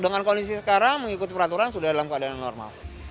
dengan kondisi sekarang mengikuti peraturan sudah dalam keadaan normal